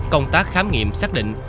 công tác khám nghiệm xác định